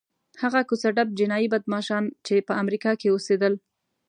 هغه کوڅه ډب جنایي بدماشان چې په امریکا کې اوسېدل.